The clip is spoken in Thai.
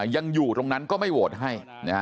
ยังอยู่ตรงนั้นก็ไม่โหวตให้